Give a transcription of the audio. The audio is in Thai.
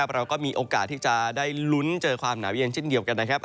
เราก็มีโอกาสที่จะได้ลุ้นเจอความหนาวเย็นเช่นเดียวกันนะครับ